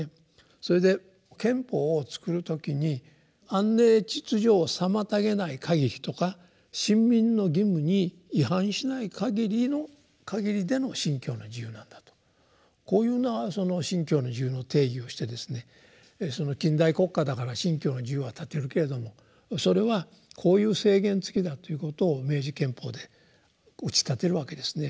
それで憲法を作る時に「安寧秩序を妨げない限り」とか「臣民の義務に違反しない限りでの信教の自由」なんだとこういうような信教の自由の定義をしてですね近代国家だから信教の自由は立てるけれどもそれはこういう制限付きだということを明治憲法で打ち立てるわけですね。